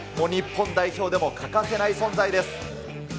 日本代表でも欠かせない存在です。